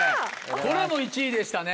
これも１位でしたね。